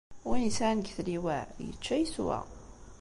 Win yesɛan deg tliwa, yečča yeswa.